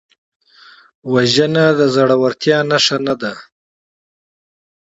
وژنه د زړورتیا نښه نه ده